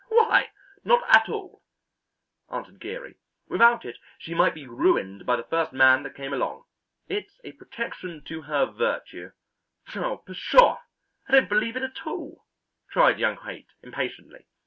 "Why, not at all," answered Geary. "Without it she might be ruined by the first man that came along. It's a protection to her virtue." "Oh, pshaw! I don't believe it at all," cried young Haight, impatiently.